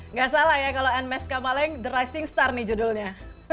nggak salah ya kalau nmes kamaleng the rising star nih judulnya